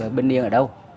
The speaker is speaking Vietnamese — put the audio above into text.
ở bình điền ở đâu